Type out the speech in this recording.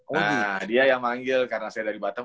wah dia yang manggil karena saya dari batam